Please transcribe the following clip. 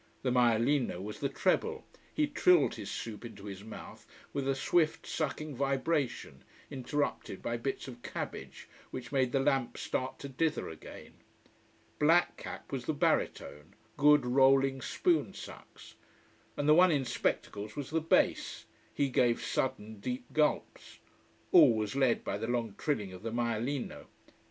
The maialino was the treble he trilled his soup into his mouth with a swift, sucking vibration, interrupted by bits of cabbage, which made the lamp start to dither again. Black cap was the baritone; good, rolling spoon sucks. And the one in spectacles was the bass: he gave sudden deep gulps. All was led by the long trilling of the maialino.